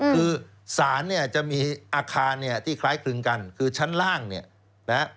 คือศาลเนี่ยจะมีอาคารเนี่ยที่คล้ายคลึงกันคือชั้นล่างเนี่ยนะฮะ